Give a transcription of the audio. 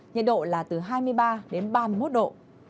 nhiệt độ là từ hai mươi ba đến ba mươi một độ